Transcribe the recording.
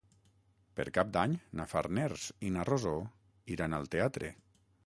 Per Cap d'Any na Farners i na Rosó iran al teatre.